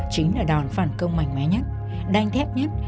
chính là đòn phản công mạnh mẽ nhất đanh thép nhất